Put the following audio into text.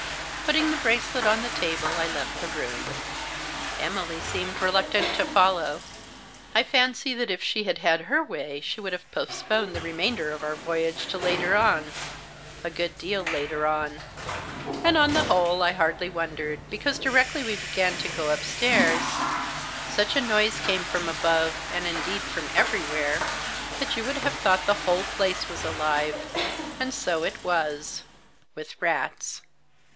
Putting the bracelet on the table, I left the room. Emily seemed reluctant to follow. I fancy that if she had had her way she would have postponed the remainder of our voyage to later on — a good deal later on. And, on the whole, I hardly wondered, because, directly we began to go upstairs, such a noise came from above, and, indeed, from everywhere, that you would have thought the whole place was alive ; and so it was — with rats.